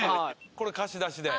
これ貸し出しで。